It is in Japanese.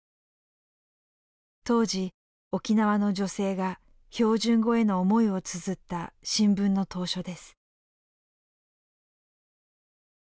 当時沖縄の女性が標準語への思いをつづった新聞の投書です。